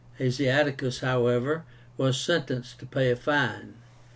Asiaticus, however, was sentenced to pay a fine.